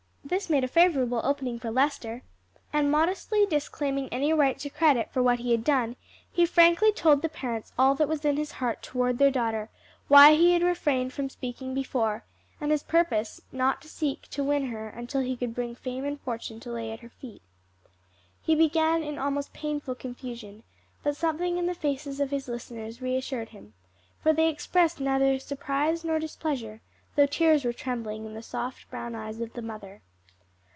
This made a favorable opening for Lester, and modestly disclaiming any right to credit for what he had done, he frankly told the parents all that was in his heart toward their daughter, why he had refrained from speaking before, and his purpose not to seek to win her until he could bring fame and fortune to lay at her feet. He began in almost painful confusion, but something in the faces of his listeners reassured him; for they expressed neither surprise nor displeasure, though tears were trembling in the soft brown eyes of the mother.